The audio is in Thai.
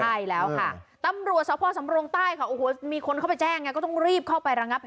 ใช่แล้วค่ะตำรวจสภสำรงใต้ค่ะโอ้โหมีคนเข้าไปแจ้งไงก็ต้องรีบเข้าไประงับ